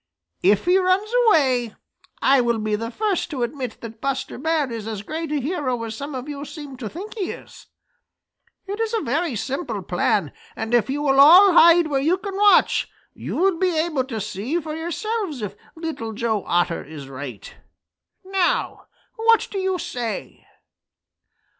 If he runs away, I will be the first to admit that Buster Bear is as great a hero as some of you seem to think he is. It is a very simple plan, and if you will all hide where you can watch, you will be able to see for yourselves if Little Joe Otter is right. Now what do you say?"